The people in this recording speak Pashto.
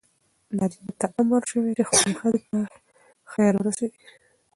نارینه ته امر شوی چې خپلې ښځې ته خیر ورسوي.